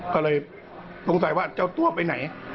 ก็เลยสงสัยว่าเจ้าตัวไปไหน